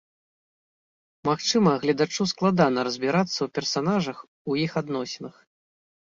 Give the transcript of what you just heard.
Магчыма, гледачу складана разбірацца ў персанажах, у іх адносінах.